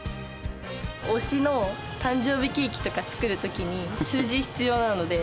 推しの誕生日ケーキとか作るときに、数字が必要なので。